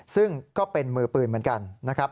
ซึ่งก็เป็นมือปืนเหมือนกันนะครับ